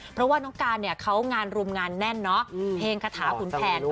เพราะว่าน้องการเนี่ยเขางานรุมงานแน่นเนาะเพลงคาถาขุนแผน